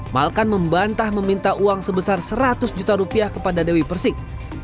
malkan membantah meminta uang sebesar seratus juta rupiah kepada dewi persik